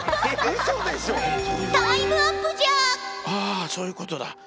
ああそういうことだ。